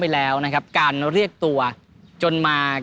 มีทักษะนะครับซึ่งเขาก็ตามหาอยู่